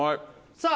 さあ